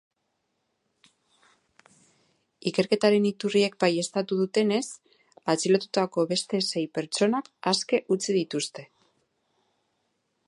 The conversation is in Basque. Ikerketaren iturriek baieztatu dutenez, atxilotutako beste sei pertsonak aske utzi dituzte.